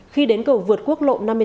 khi đến cầu vượt quốc lộ năm mươi bốn